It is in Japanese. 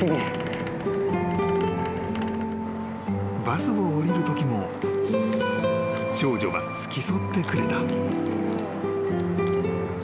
［バスを降りるときも少女は付き添ってくれた］